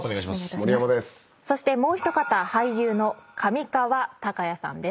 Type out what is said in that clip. そしてもう一方俳優の上川隆也さんです。